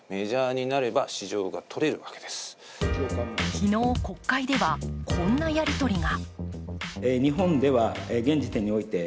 昨日国会では、こんなやりとりが。